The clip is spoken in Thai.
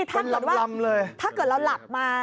ถ้าเกิดว่าถ้าเกิดเราหลับมา